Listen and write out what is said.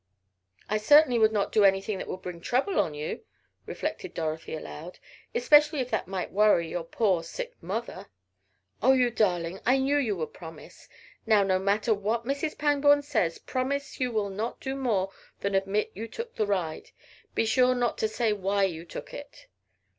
"I certainly would not do anything that would bring trouble on you," reflected Dorothy aloud, "especially if that might worry your poor, sick mother." "Oh, you darling! I knew you would promise. Now, no matter what Mrs. Pangborn says, promise you will not do more than admit you took the ride be sure not to say why you took it!"